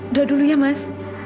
udah dulu ya mas